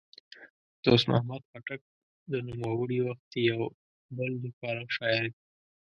دوست محمد خټک د نوموړي وخت یو بل لیکوال او شاعر دی.